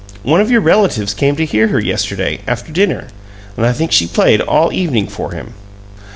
One of your relatives came to hear her yesterday, after dinner, and I think she played all evening for him."